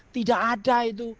tidak ada itu